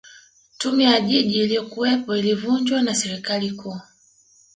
tume ya jiji iliyokuwepo ilivunjwa na serikali kuu